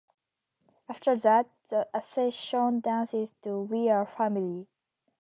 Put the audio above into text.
After that, the assassin dances to "We Are Family".